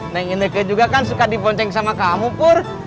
neng ineke juga kan suka diponceng sama kamu pur